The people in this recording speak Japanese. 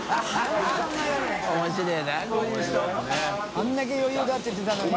あれだけ「余裕だ」って言ってたのに。